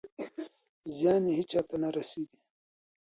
زیان یې هېچا ته نه رسېږي.